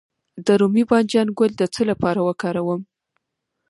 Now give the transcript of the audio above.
د رومي بانجان ګل د څه لپاره وکاروم؟